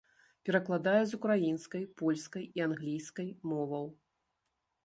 Перакладае з украінскай, польскай і англійскай моваў.